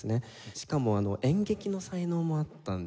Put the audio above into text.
しかも演劇の才能もあったんですよ。